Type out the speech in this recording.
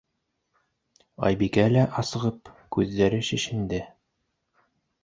Айбикә лә асығып, күҙҙәре шешенде.